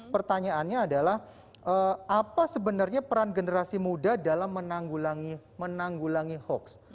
pertanyaannya adalah apa sebenarnya peran generasi muda dalam menanggulangi hoax